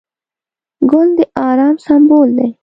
ګل د ارام سمبول دی.